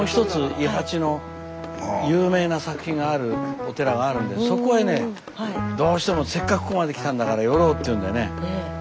伊八の有名な作品があるお寺があるんでそこへねどうしてもせっかくここまで来たんだから寄ろうっていうんでね。